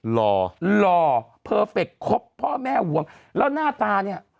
หล่อหล่อเพอร์เฟคครบพ่อแม่ห่วงแล้วหน้าตาเนี่ย